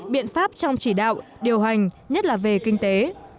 biện pháp trong chỉ đạo điều hành nhất là về kinh tế